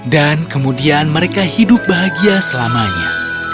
dan kemudian mereka hidup bahagia selamanya